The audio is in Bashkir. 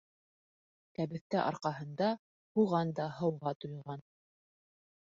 Кәбеҫтә арҡаһында һуған да һыуға туйған.